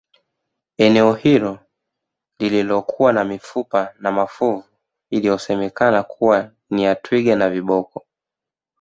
eneo hilo lililokuwa na mifupa na mafuvu ilisemekana kuwa ya twiga na viboko